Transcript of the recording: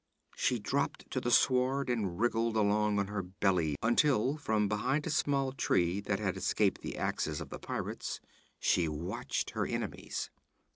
She dropped to the sward and wriggled along on her belly until, from behind a small tree that had escaped the axes of the pirates, she watched her enemies.